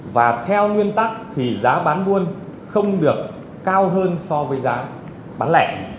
và theo nguyên tắc thì giá bán buôn không được cao hơn so với giá bán lẻ